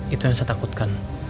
itu yang saya takutkan